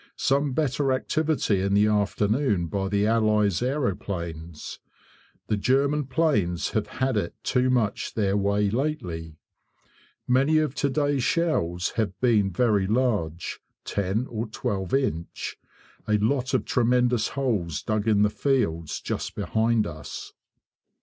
Some better activity in the afternoon by the Allies' aeroplanes. The German planes have had it too much their way lately. Many of to day's shells have been very large 10 or 12 inch; a lot of tremendous holes dug in the fields just behind us.